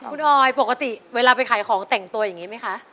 คุณออยปกติเวลาไปขายของแต่งตัวอย่างนี้ไหมคะ